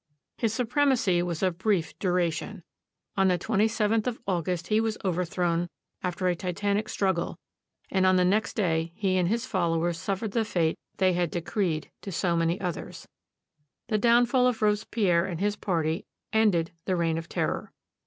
His supremacy was of brief duration. On the 27th of August he was overthrown after a titanic struggle, and on the next day he and his followers suffered the fate they had decreed to so many others. The downfall of Robespierre and his party ended the Reign of Terror.